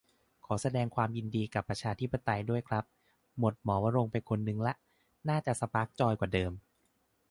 ขอแสดงความยินดีกับประชาธิปัตย์ด้วยครับ หมดหมอวรงค์ไปคนหนึ่งละ น่าจะสปาร์คจอยกว่าเดิม